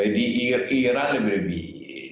di iran lebih lebih